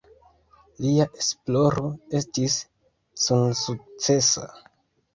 Lia esploro estis sensukcesa.